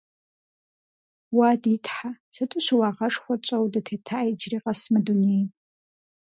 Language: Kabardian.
Уа, ди Тхьэ, сыту щыуагъэшхуэ тщӀэуэ дытета иджыри къэс мы дунейм!